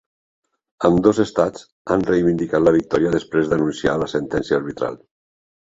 Ambdós estats han reivindicat la victòria després d'anunciar la sentència arbitral.